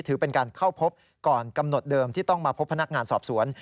ถือเป็นการเข้าพบก่อนกำหนดเดิมที่ต้องมาพบพนักงานสอบสวน